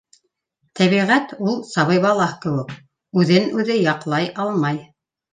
Тәбиғәт ул — сабый бала кеүек, үҙен-үҙе яҡ лай алмай